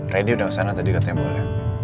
ready udah kesana tadi katanya boleh